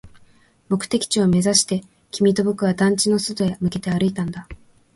目的地を目指して、君と僕は団地の外へ向けて歩いたんだ